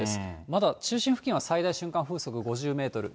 まだ中心付近は最大瞬間風速５０メートル。